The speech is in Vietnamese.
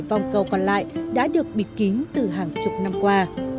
vòng cầu còn lại đã được bịt kín từ hàng chục năm qua